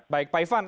baik pak ivan